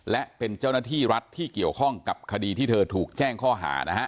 และเป็นเจ้าหน้าที่รัฐที่เกี่ยวข้องกับคดีที่เธอถูกแจ้งข้อหานะฮะ